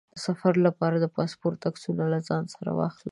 د سفر لپاره د پاسپورټ عکسونه له ځان سره واخلئ.